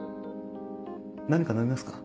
何か飲みますか？